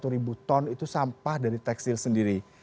tujuh ratus lima puluh satu ribu ton itu sampah dari tekstil sendiri